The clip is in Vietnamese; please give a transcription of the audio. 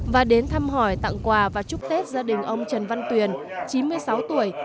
và đến thăm hỏi tặng quà và chúc tết gia đình ông trần văn tuyền chín mươi sáu tuổi